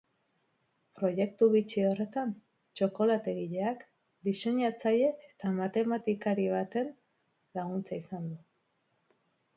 Proiektu bitxi horretan txokolategileak diseinatzaile eta matematikari baten laguntza izan du.